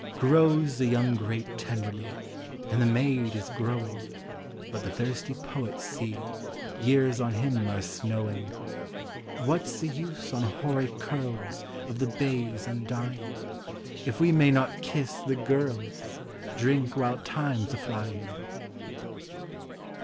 Grows the young grape tenderly, And the maid is growing; But the thirsty poet, see. Years on him are snowing! What 's the use on hoary curls Of the bays undying. If we may not kiss the girls. Drink while time 's a llying?